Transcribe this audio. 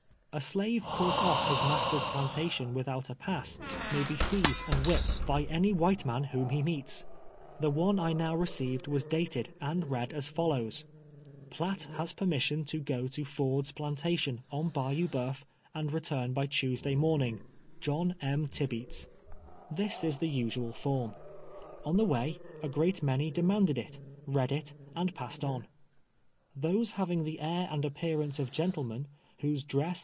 A slave caught off his master's plantation without a pass, may be seized and whipped by any white man 158 Twi:r,vK years a si ave. •w'lioni liL' nieetrf. The one I now received was dated, and reatl as follows :'' riatt lias permission to go to Ford's plantation, on JJayou Bu3uf, and return bj Tuesday morning. John M. Tideats." Tliis is the usual form. On the way, a great many demanded it, read it, and passed on. Tliose having the air and a])})earance of gentlemen, whose dress